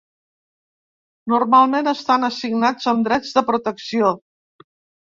Normalment estan assignats amb drets de protecció.